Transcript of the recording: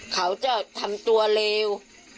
เขาจะทำตัวเลว